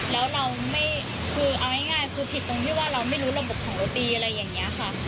แล้วเราไม่คือเอาง่ายคือผิดตรงที่ว่าเราไม่รู้ระบบของรถตีอะไรอย่างนี้ค่ะ